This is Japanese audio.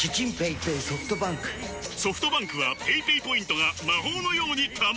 ソフトバンクはペイペイポイントが魔法のように貯まる！